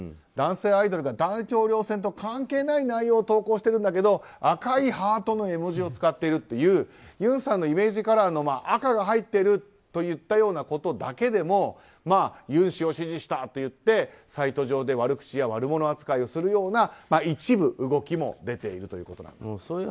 男性アイドルが大統領選と関係のない内容を投稿してるんだけど赤いハートの絵文字を使っているという尹さんのイメージカラーの赤が入っているということだけでも尹氏を支持したと言ってサイト上で悪口や悪者扱いをするような一部動きも出ているということなんです。